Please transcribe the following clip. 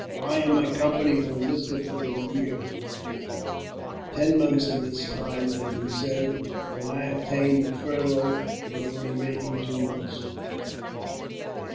I and my company were enlisted for a year; ten months of this time had been served, and I obtained a furlough for the remaining two months.